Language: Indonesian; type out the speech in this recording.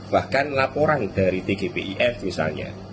bahkan laporan dari tgpif misalnya